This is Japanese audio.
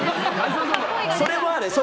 それもある！